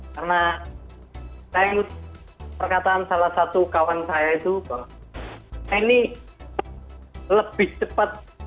karena saya lulus perkataan salah satu kawan saya itu bahwa ini lebih cepat